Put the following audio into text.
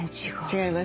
違いますね。